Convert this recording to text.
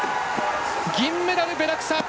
銀メダル、ベラクサ。